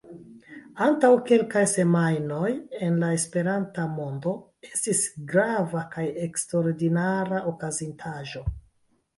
Antaŭ kelkaj semajnoj en la Esperanta mondo estis grava kaj eksterordinara okazintaĵo.